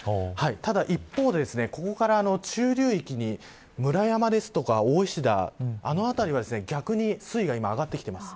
ただ一方で、ここから中流域に村山ですとか大石田あの辺りは逆に水位が上がってきています。